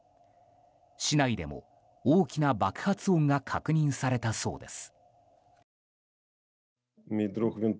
市内でも大きな爆発音が確認されたそうです。